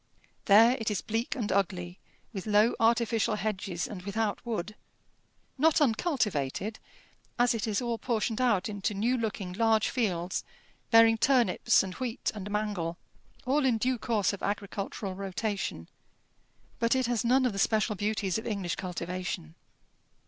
There it is bleak and ugly, with low artificial hedges and without wood; not uncultivated, as it is all portioned out into new looking large fields, bearing turnips and wheat and mangel, all in due course of agricultural rotation; but it has none of the special beauties of English cultivation.